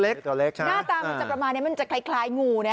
หน้าตามันจะประมาณนี้มันจะคล้ายงูนะ